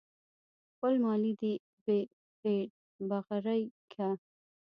خپل مال دې پې بغرۍ که.